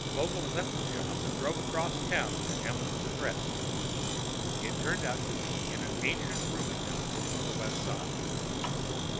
Vogel left the shop and drove across town to Amenth's address. It turned out to be an ancient rooming house on the West Side.